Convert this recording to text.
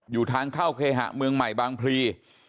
อยู่ทางเข้าเคหะเมืองใหม่บางพลี